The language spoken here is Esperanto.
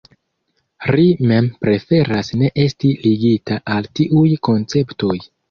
Ri mem preferas ne esti ligita al tiuj konceptoj.